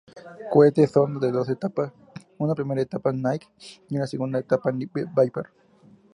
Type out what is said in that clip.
Cohete sonda de dos etapas, una primera etapa Nike y una segunda etapa Viper.